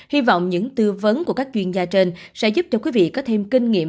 hy vọng những tư vấn của các chuyên gia trên sẽ giúp cho quý vị có thêm kinh nghiệm